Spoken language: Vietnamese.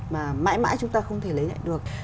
mà mãi mãi chúng ta không thể lấy lại được